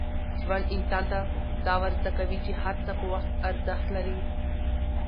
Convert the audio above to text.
ژوند انسان ته دا ور زده کوي چي هر څه په وخت ارزښت لري.